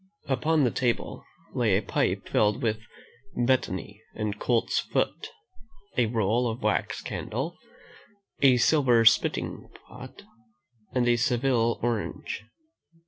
Upon the table lay a pipe filled with betony and colt's foot, a roll of wax candle, a silver spitting pot, and a Seville orange.